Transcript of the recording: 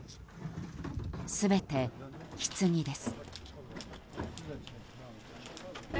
全て、ひつぎです。